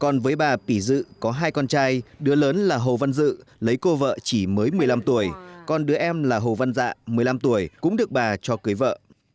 còn với bà tỉ dự có hai con trai đứa lớn là hồ văn dự lấy cô vợ chỉ mới một mươi năm tuổi còn đứa em là hồ văn dạ một mươi năm tuổi cũng được bà cho cưới vợ